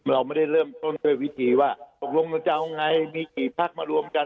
เราไม่ได้เริ่มต้นด้วยวิธีว่าเราร่วมแล้วจะว่าไงมีดีพลักษณ์มารวมกัน